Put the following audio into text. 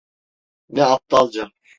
Ne aptalca.